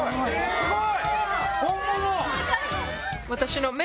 すごい！